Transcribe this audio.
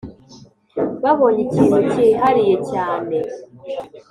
babonye ikintu cyihariye cyane